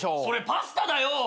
それパスタだよ。